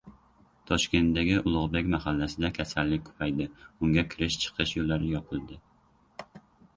Toshkentdagi «Ulug‘bek» mahallasida kasallik ko‘paydi. Unga kirish-chiqish yo‘llari yopildi